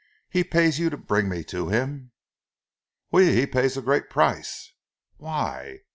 He pays you to bring me to him?" "Oui! He pays a great price!" "Why?"